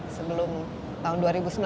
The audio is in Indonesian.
sebelum tahun dua ribu sembilan belas